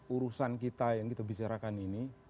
urusan kita yang kita bicarakan ini